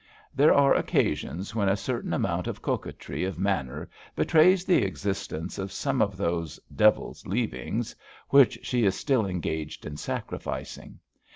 There are occasions when a certain amount of coquetry of manner betrays the existence of some of those "devil's leavings" which she is still engaged in sacrificing.